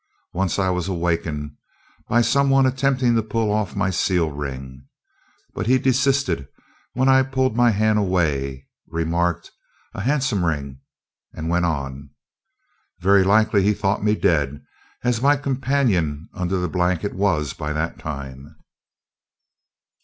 Once I was waked by some one attempting to pull off my seal ring; but he desisted when I pulled my hand away, remarked, "A handsome ring," and went on. Very likely he thought me dead, as my companion under the blanket was by that time.